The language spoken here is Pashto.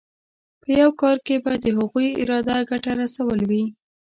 په یو کار کې به د هغوی اراده ګټه رسول وي.